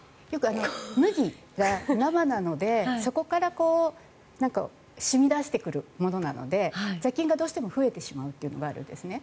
麦が生なので、そこから染み出してくるものなので雑菌がどうしても増えてしまうというのがあるんですね。